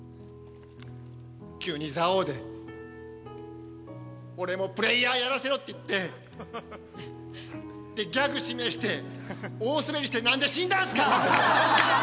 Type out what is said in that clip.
急に「座王」で俺もプレーヤーやらせろって言ってでギャグ指名して大スベりしてなんで死んだんですか！